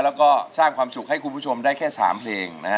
แล้วก็สร้างความสุขให้คุณผู้ชมได้แค่๓เพลงนะฮะ